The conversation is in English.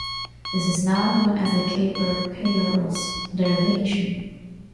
This is now known as the Kapur-Peierls derivation.